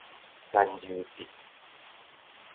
陳柔縉